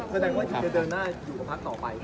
แสดงว่ายังจะเดินหน้าอยู่กับพักต่อไป